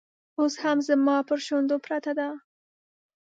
اوس هم زما پر شونډو پرته ده